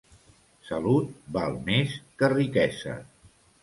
Salut val més que riquesa.